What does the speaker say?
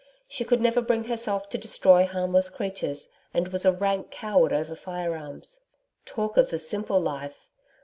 She could never bring herself to destroy harmless creatures, and was a rank coward over firearms. Talk of the simple life!